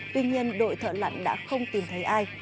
tuy nhiên đội thợ lặn đã không tìm thấy ai